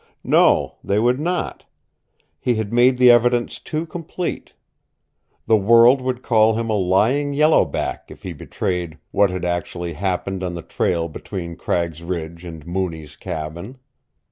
No, they would not. He had made the evidence too complete. The world would call him a lying yellow back if he betrayed what had actually happened on the trail between Cragg's Ridge and Mooney's cabin.